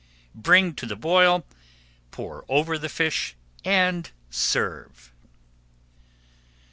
Bring to the boil, pour over the fish and serve.